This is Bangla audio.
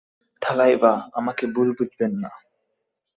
থালাইভা, আমাকে ভুল বুঝবেন না।